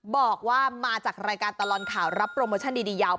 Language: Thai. บอกว่ามาจากรายการตลอดข่าวรับโปรโมชั่นดียาว